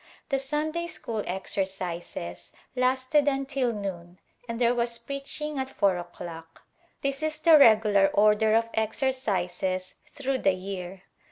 The Sunday school exercises lasted until noon and there was preaching at four o'clock. This is the regular order of exercises through the year.